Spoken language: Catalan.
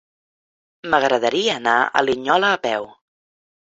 M'agradaria anar a Linyola a peu.